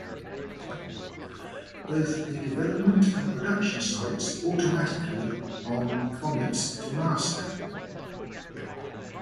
Both the development and production sites automatically on commits to master.